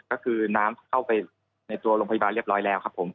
ก็คือน้ำเข้าไปในตัวโรงพยาบาลเรียบร้อยแล้วครับผม